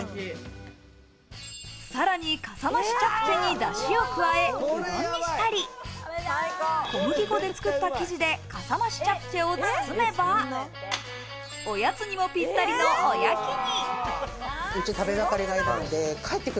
さらに、かさましチャプチェにダシを加え、うどんにしたり、小麦粉で作った生地でかさましチャプチェを包めば、おやつにもぴったりのおやきに。